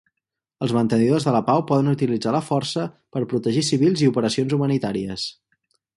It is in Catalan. Els mantenidors de la pau poden utilitzar la força per protegir civils i operacions humanitàries.